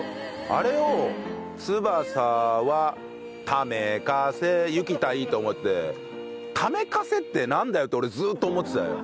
あれを「翼はためかせ行きたい」と思って「ためかせ」ってなんだよ！って俺ずっと思ってて。